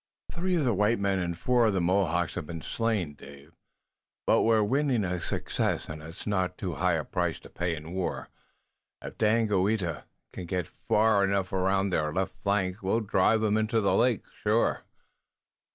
"Three of the white men and four of the Mohawks have been slain, Dave, but we're winning a success, and it's not too high a price to pay in war. If Daganoweda can get far enough around on their left flank we'll drive 'em into the lake, sure.